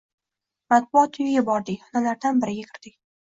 Matbuot uyiga bordik, xonalardan biriga kirdik.